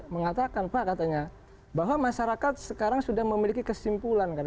mengatakan pak katanya bahwa masyarakat sekarang sudah memiliki kesimpulan